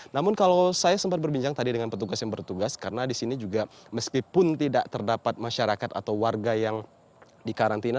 namun kalau saya sempat berbincang tadi dengan petugas yang bertugas karena di sini juga meskipun tidak terdapat masyarakat atau warga yang dikarantina